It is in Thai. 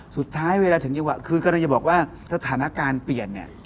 สุดท้ายเวลาถึงจังหวะคือกำลังจะบอกว่าสถานการณ์เปลี่ยนเนี่ย